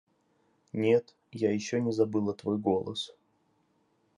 Нет, я еще не забыла твой голос.